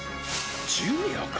ジュニアか？